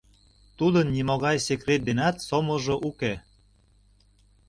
Тудын нимогай Секрет денат сомылжо уке.